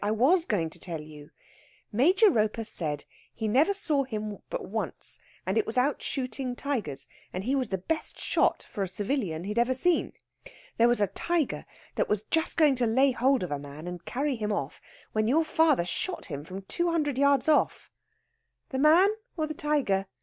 I was going to tell you. Major Roper said he never saw him but once, and it was out shooting tigers, and he was the best shot for a civilian he'd ever seen. There was a tiger was just going to lay hold of a man and carry him off when your father shot him from two hundred yards off " "The man or the tiger?